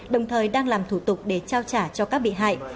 đồng thời đang làm thủ tục để trao trả cho các bị hại